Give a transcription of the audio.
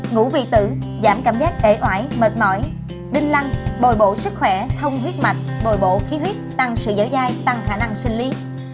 ngủ vì tử giảm cảm giác ệ oải mệt mỏi đinh lăng bồi bộ sức khỏe thông huyết mạch bồi bộ khí huyết tăng sự dở dai tăng khả năng sinh lý